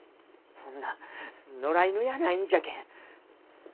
そんな野良犬やないんじゃけん。